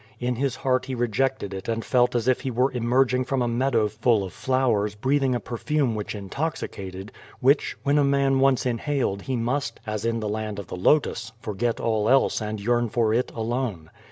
In his heart he rejected it and felt as if he were emerging from a meadow full of flowers breathing a perfume which intoxicated, which, when a man once in haled he must, as in the land of the h)tus, forget all else and yearn for it alone.